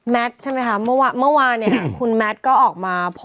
ใช่ไหมคะเมื่อวานเนี่ยคุณแมทก็ออกมาโพสต์